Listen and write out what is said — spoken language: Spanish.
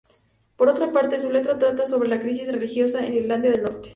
Por otra parte, su letra trata sobre la crisis religiosa en Irlanda del Norte.